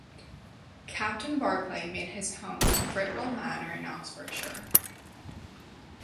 Captain Barclay made his home at Fritwell Manor in Oxfordshire.